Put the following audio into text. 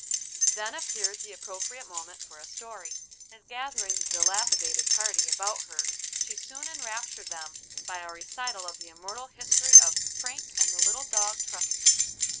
Then appeared the appropriate moment for a story, and gathering the dilapidated party about her she soon enraptured them by a recital of the immortal history of "Frank and the little dog Trusty."